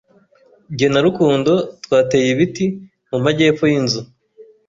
Jye na Rukundo twateye ibiti mu majyepfo yinzu.